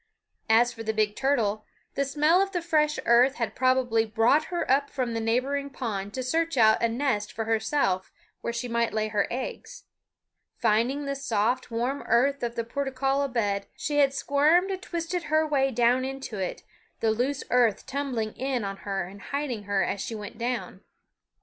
As for the big turtle, the smell of the fresh earth had probably brought her up from the neighboring pond to search out a nest for herself where she might lay her eggs. Finding the soft warm earth of the portulaca bed, she had squirmed and twisted her way down into it, the loose earth tumbling in on her and hiding her as she went down.